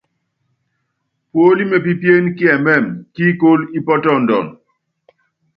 Puólí mépípiéne kiɛmɛ́mɛ, kíikólo ípɔ́tɔndɔnɔ.